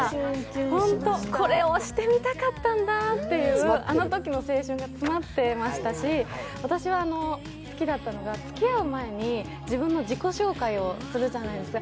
これをしてみたかったんだというあのときの青春が詰まってましたし私は好きだったのが、つきあう前に自分の自己紹介をするじゃないですか。